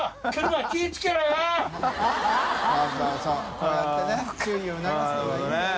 こうやってね注意を促すのがいいんだよ。